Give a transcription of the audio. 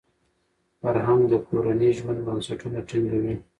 فرهنګ د کورني ژوند بنسټونه ټینګوي.